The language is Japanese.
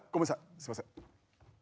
すいません。